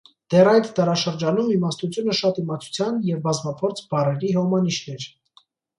Դեռ այդ դարաշրջանում իմաստությունը «շատ իմացության» և «բազմափորձ» բառերի հոմանիշն էր։